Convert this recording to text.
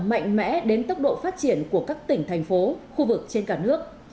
mạnh mẽ đến tốc độ phát triển của các tỉnh thành phố khu vực trên cả nước